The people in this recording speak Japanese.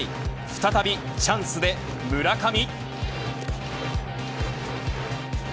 再びチャンスで村上。